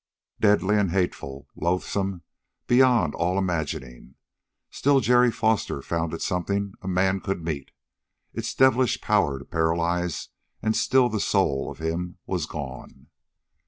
Deadly and hateful loathsome beyond all imagining still Jerry Foster found it was something a man could meet. Its devilish power to paralyze and still the soul of him was gone.